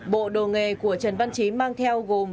bộ đồ nghề của trần văn chí mang theo gồm bộ